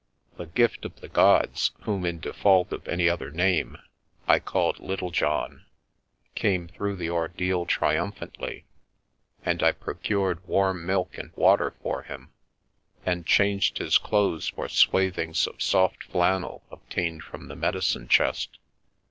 The Gift of the Gods, whom, in default of any other name, I called Little John, came through the ordeal tri umphantly, and I procured warm milk and water for him, and changed his clothes for swathings of soft flan nel obtained from the medicine chest.